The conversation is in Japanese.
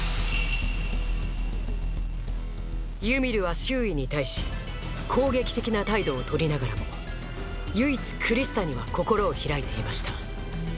ユミルは周囲に対し攻撃的な態度を取りながらも唯一クリスタには心を開いていました